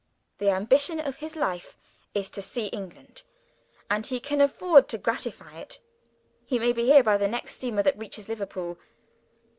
The ambition of his life is to see England: and he can afford to gratify it. He may be here by the next steamer that reaches Liverpool."